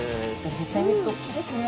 実際見ると大きいですね。